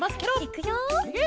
いくよ！